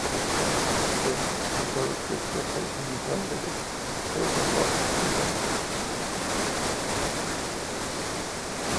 Tras ello, fue expulsado del proyecto por los administradores de sourceforge.net.